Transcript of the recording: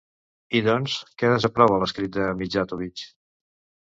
I doncs, què desaprova l'escrit de Mijatović?